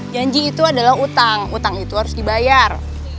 janji itu adalah utang utang itu harus dibayar